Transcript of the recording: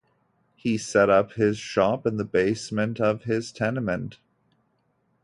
He set up his shop in the basement of his tenement.